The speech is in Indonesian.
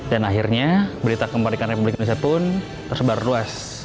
dan akhirnya berita kemerdekaan republik indonesia pun tersebar luas